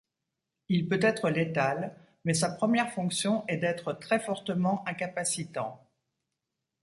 Il peut être létal mais sa première fonction est d'être très fortement incapacitant.